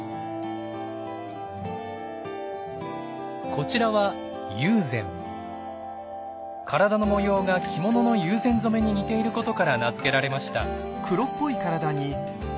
こちらは体の模様が着物の友禅染に似ていることから名付けられました。